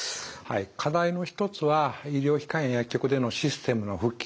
課題の一つは医療機関や薬局でのシステムの普及です。